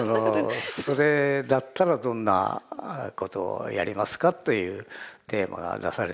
それだったらどんなことをやりますかというテーマが出されてるんですよね。